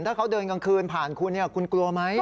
ถ้าเขาเดินกลางคืนผ่านคุณคุณกลัวไหม